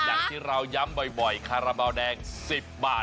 อย่างที่เราย้ำบ่อยคาราบาลแดง๑๐บาท